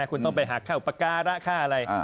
คุณต้องไปหักค่าอุปการะค่าอะไร